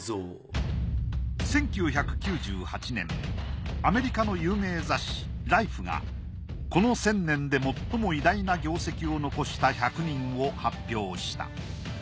１９９８年アメリカの有名雑誌「ＬＩＦＥ」が「この１，０００年で最も偉大な業績を残した１００人」を発表した。